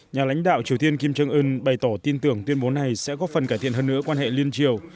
nhà lãnh đạo triều tiên kim trương ương bày tỏ tin tưởng tuyên bố này sẽ có phần cải thiện hơn nữa quan hệ liên triều